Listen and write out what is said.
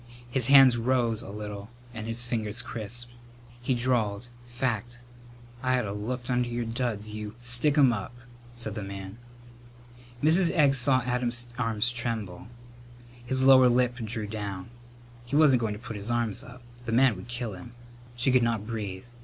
His hands rose a little and his fingers crisped. He drawled, "Fact. I ought have looked under your duds, you " "Stick 'em up!" said the man. Mrs. Egg saw Adam's arms tremble. His lower lip drew down. He wasn't going to put his arms up. The man would kill him. She could not breathe.